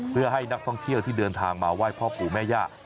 เพื่อให้นักท่องเที่ยวที่เดินทางมาไหว้พ่อปู่แม่ย่า